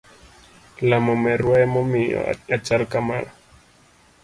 Lamo merwa emomiyo achal kama